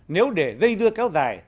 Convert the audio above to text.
nếu để dây dưa kéo dài